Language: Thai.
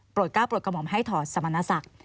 ก้าวโปรดกระหม่อมให้ถอดสมณศักดิ์